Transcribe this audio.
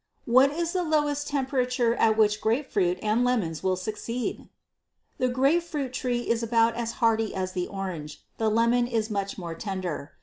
What is the lowest temperature at which grapefruit and lemons will succeed? The grapefruit tree is about as hardy as the orange; the lemon is much more tender.